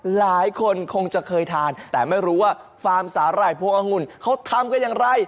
หลายคนคงจะเคยทานแต่ไม่รู้ว่าฟาร์มสาหร่ายพวงองุ่นเขาทำกันอย่างไร